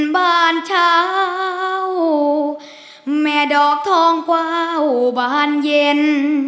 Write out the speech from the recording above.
บ้านเช้าแม่ดอกทองกว้าวบานเย็น